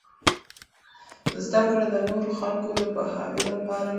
زده کړه د نورو خلکو د پوهاوي لپاره لازم دی.